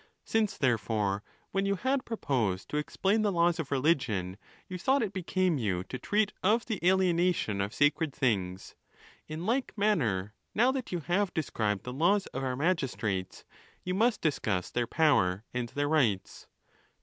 Since, therefore, when you had proposed to explain the laws of religion, you thought it be came you to treat of the alienation of sacred things, in like manner, now that you have described the laws of our magis trates, you must discuss their power and their rights.